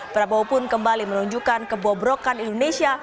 prabowo pun kembali menunjukkan kebobrokan indonesia